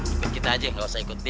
ikut kita aja gak usah ikut dia